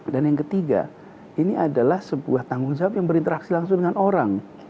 dan yang ketiga ini adalah sebuah tanggung jawab yang berinteraksi langsung dengan orang